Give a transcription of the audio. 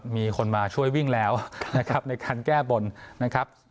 มีคนมาช่วยวิ่งแล้วนะครับในการแก้บนนะครับ